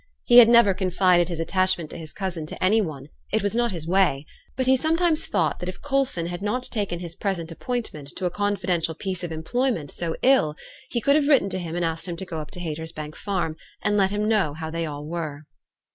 He had never confided his attachment to his cousin to any one, it was not his way; but he sometimes thought that if Coulson had not taken his present appointment to a confidential piece of employment so ill, he would have written to him and asked him to go up to Haytersbank Farm, and let him know how they all were.